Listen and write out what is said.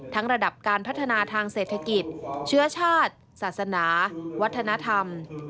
ระดับการพัฒนาทางเศรษฐกิจเชื้อชาติศาสนาวัฒนธรรม